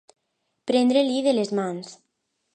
Prendre-li de les mans.